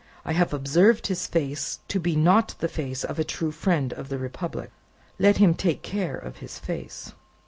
I have observed his face to be not the face of a true friend of the Republic. Let him take care of his face!"